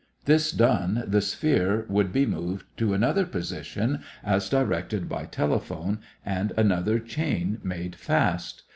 This done, the sphere would be moved to another position, as directed by telephone and another chain made fast.